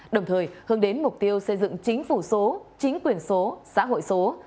đồng thời hướng đến mục tiêu xây dựng chính phủ số chính quyền số xã hội số